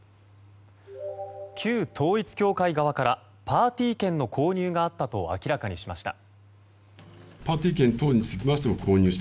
旧統一教会側からパーティー券の購入があったと明らかにしました。